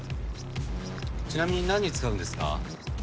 ちなみになんに使うんですか？